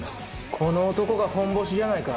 この男が本ボシじゃないか？